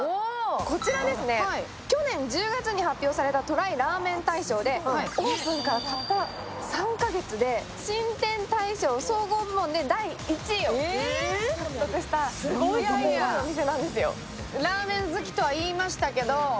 こちら、去年１０月に発表された「ＴＲＹラーメン大賞」でオープンからたった３か月で新店大賞総合部門で第一位を獲得したすごいお店なんですよ。